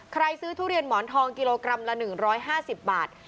ใครซื้อทุเรียนหมอนทองกิโลกรัมละหนึ่งร้อยห้าสิบบาท